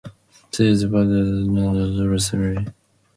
She is buried at Adelaide's North Road Cemetery.